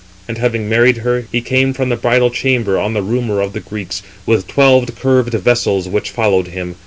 And having married her, he came from the bridal chamber, on the rumour of the Greeks, with twelve curved vessels which followed him.